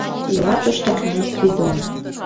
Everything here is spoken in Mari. Ила тушто князь Гвидон;